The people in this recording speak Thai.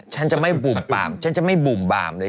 ฉันจะไม่บุ่มบามฉันจะไม่บุ่มบามเลย